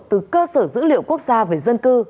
từ cơ sở dữ liệu quốc gia về dân cư